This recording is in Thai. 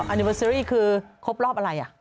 อันนิเวอร์เซอรี่คือครบรอบอะไรอ่ะ